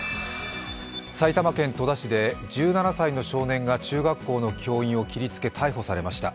埼玉県戸田市で１７歳の少年が中学校の教員を切りつけ、逮捕されました。